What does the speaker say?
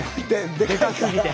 でかすぎて。